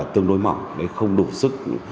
tương đối mỏng không đủ sức